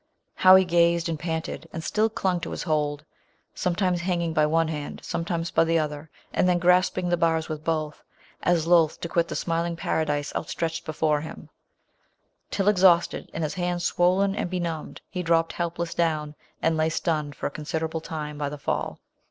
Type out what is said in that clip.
How he gazed, and panted, and still clung to his Imld ! sometimes hanging by one hand, sometimes by the other, and then grasping the bars with both, as loath to quit the smiling paradise out* >ti etched before him; till exhausted, and his hands swollen and benumb ed, he dropped helpless down, and lay stunned for a considerable time by the fall.